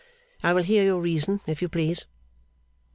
I will hear your reason, if you please.